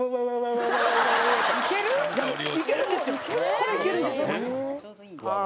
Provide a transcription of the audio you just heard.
これいけるんですよ。